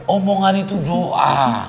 omongan itu doa